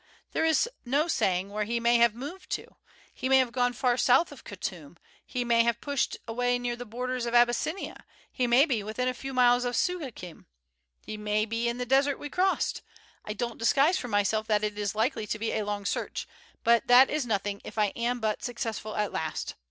There is no saying where he may have moved to; he may have gone far south of Khartoum, he may have pushed away near the borders of Abyssinia, he may be within a few miles of Suakim, he may be in the desert we crossed. I don't disguise from myself that it is likely to be a long search; but that is nothing if I am but successful at last.